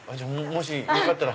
もしよかったら。